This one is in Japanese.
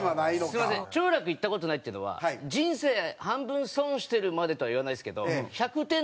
すみません兆楽行った事ないっていうのは人生半分損してるまでとは言わないですけど。